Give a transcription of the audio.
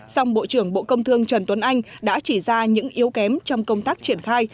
song bộ trưởng bộ công thương trần tuấn anh đã chỉ ra những yếu kém trong công tác triển khai